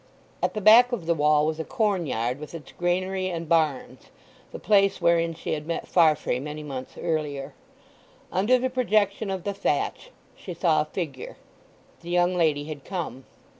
At the back of the wall was a corn yard with its granary and barns—the place wherein she had met Farfrae many months earlier. Under the projection of the thatch she saw a figure. The young lady had come.